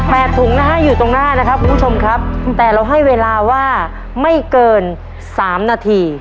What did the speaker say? ถุงนะฮะอยู่ตรงหน้านะครับคุณผู้ชมครับแต่เราให้เวลาว่าไม่เกินสามนาที